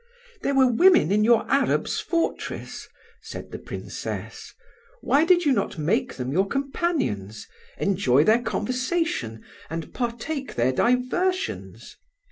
"There were women in your Arab's fortress," said the Princess; "why did you not make them your companions, enjoy their conversation, and partake their diversions?